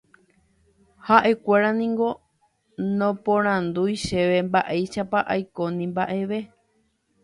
ha'ekuéra niko noporandúi chéve mba'éichapa aiko ni mba'eve